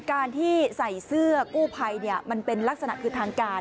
การที่ใส่เสื้อกู้ภัยมันเป็นลักษณะคือทางการ